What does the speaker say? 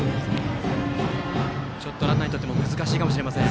ちょっとランナーにとっても難しいかもしれません。